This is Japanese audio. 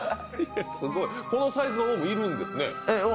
このサイズのもいるんですね。